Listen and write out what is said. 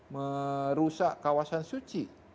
merusak kawasan suci